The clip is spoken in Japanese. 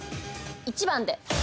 １番で。